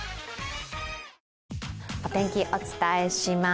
お天気、お伝えします。